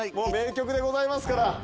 名曲でございますから。